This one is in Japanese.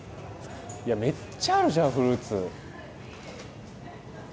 めっちゃあるじゃんフルーツ。